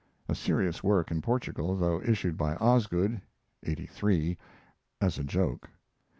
[A serious work, in Portugal, though issued by Osgood ['83) as a joke.